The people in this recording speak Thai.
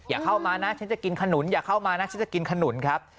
อย่าเข้ามานะฉันจะกินขนุนอย่าเข้ามานะฉันจะกินขนุนครับ